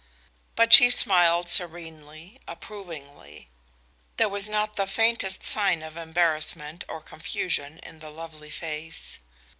But she smiled serenely, approvingly. There was not the faintest sign of embarrassment or confusion in the lovely face.